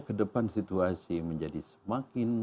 kedepan situasi menjadi semakin